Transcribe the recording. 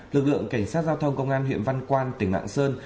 lực lượng cảnh sát giao thông công an huyện văn quan tỉnh lạng sơn